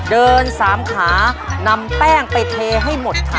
เดินสามขานำแป้งไปเทให้หมดค่ะ